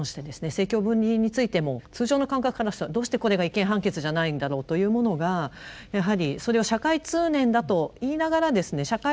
政教分離についても通常の感覚からしたらどうしてこれが違憲判決じゃないんだろうというものがやはりそれは社会通念だと言いながらですね